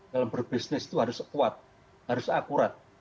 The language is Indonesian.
dalam berbisnis itu harus kuat harus akurat